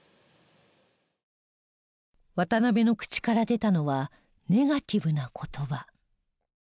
渡邊の口から出たのはネガティブな言葉。